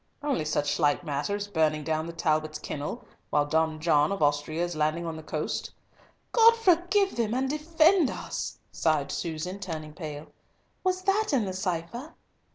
"Only such slight matter as burning down the Talbots' kennel, while Don John of Austria is landing on the coast." "God forgive them, and defend us!" sighed Susan, turning pale. "Was that in the cipher?"